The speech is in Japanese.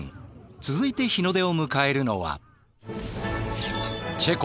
続いて日の出を迎えるのは。